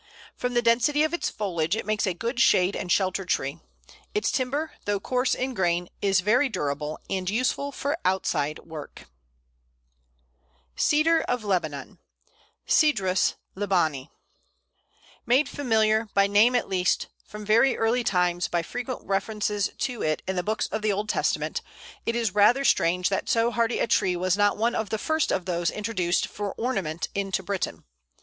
From the density of its foliage, it makes a good shade and shelter tree. Its timber, though coarse in grain, is very durable, and useful for outside work. [Illustration: Pl. 169. Cedar of Lebanon.] Cedar of Lebanon (Cedrus libani). Made familiar, by name at least, from very early times by frequent references to it in the books of the Old Testament, it is rather strange that so hardy a tree was not one of the first of those introduced for ornament into Britain.